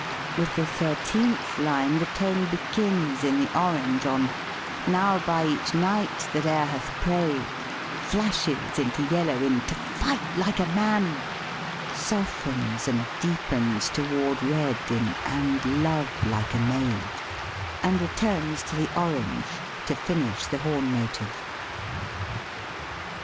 With the thirteenth line the tone begins in the orange on, " Now by each knight that e'er hath prayed," flashes into yellow in "to fight like a man," softens and deepens toward red in "and love like a maid," and returns to the orange to finish the horn motive.